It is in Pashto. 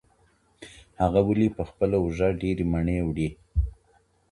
هغه ولي پخپله اوږه ډېري مڼې وړي؟